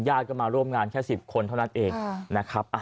ญาติก็มาร่วมงานแค่๑๐คนเท่านั้นเองนะครับ